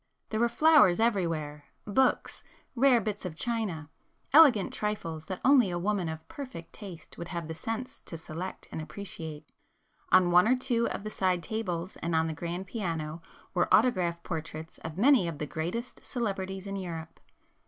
There were flowers everywhere,—books,—rare bits of china,—elegant trifles that only a woman of perfect taste would have the sense to select and appreciate,—on one or two of the side tables and on the grand piano were autograph portraits of many of the greatest celebrities in Europe.